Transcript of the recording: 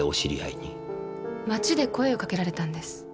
街で声を掛けられたんです。